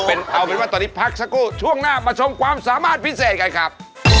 เอาเป็นว่าตอนนี้พักสักครู่ช่วงหน้ามาชมความสามารถพิเศษกันครับ